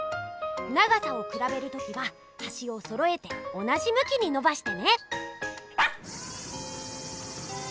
長さをくらべる時ははしをそろえて同じむきにのばしてね！